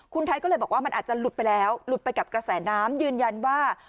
คุณไทยก็เลยบอกว่ามันอาจจะหลุดไปแล้วหลุดไปกับกระแสน้ำยืนยันว่า